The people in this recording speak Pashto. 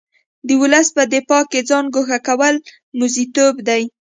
د ولس په دفاع کې ځان ګوښه کول موزیتوب دی.